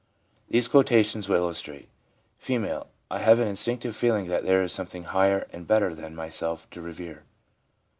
These quotations will illustrate : F. ' I have an instinctive feeling that there is something higher and better than myself to revere.